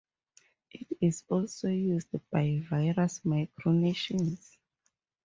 It is also used by various micronations.